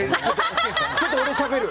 ちょっと俺、しゃべる。